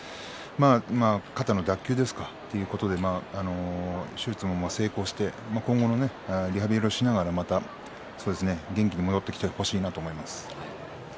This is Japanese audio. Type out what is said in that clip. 肩の脱臼ということで手術も成功して今後リハビリをしながらまた元気に戻ってきてほしいなと思います。